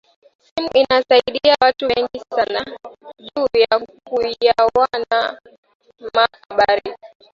Simu inasaidia batu bengi sana juya kuyuwana ma habari